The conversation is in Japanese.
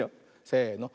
せの。